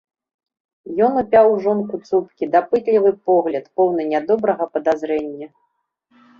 Ён упяў у жонку цупкі, дапытлівы погляд, поўны нядобрага падазрэння.